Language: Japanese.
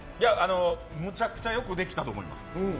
めちゃくちゃ良くできたと思います。